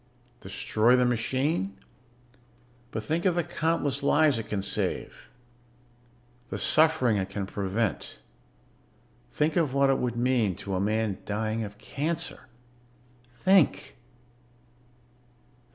"Destroy the machine? But think of the countless lives it can save, the suffering it can prevent. Think of what it would mean to a man dying of cancer. Think